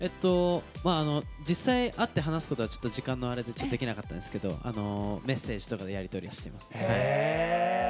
実際会って話すことは時間のあれでできなかったんですけどメッセージとかでやり取りして。